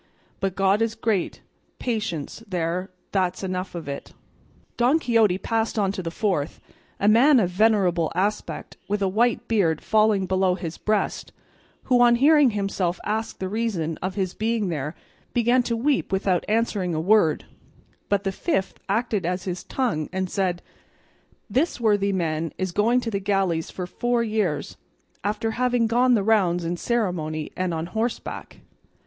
But God is great; patience there, that's enough of it." Don Quixote passed on to the fourth, a man of venerable aspect with a white beard falling below his breast, who on hearing himself asked the reason of his being there began to weep without answering a word, but the fifth acted as his tongue and said, "This worthy man is going to the galleys for four years, after having gone the rounds in ceremony and on horseback."